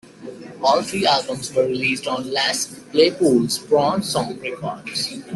All three albums were released on Les Claypool's Prawn Song Records.